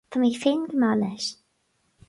Tá mé féin go maith leis